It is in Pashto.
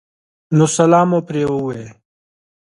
نو سلام مو پرې ووې